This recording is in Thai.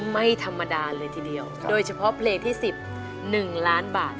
ไม่ธรรมดาเลยทีเดียวโดยเฉพาะเพลงที่๑๑ล้านบาท